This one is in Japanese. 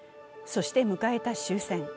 そして迎えた終戦。